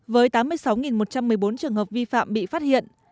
với tám mươi sáu một trăm một mươi bốn trường hợp vi phạm bị phát hiện